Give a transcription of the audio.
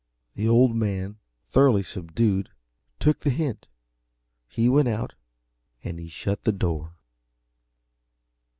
The Old Man, thoroughly subdued, took the hint. He went out, and he shut the door.